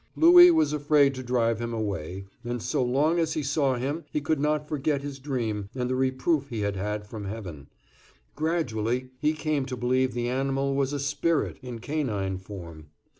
Louis was afraid to drive him away, and so long as he saw him he could not forget his dream and the reproof he had had from heaven; gradually he came to believe the animal was a spirit in canine form.